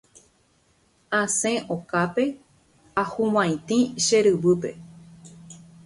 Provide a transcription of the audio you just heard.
Asẽ okápe ahuvaitĩ che ryvýpe.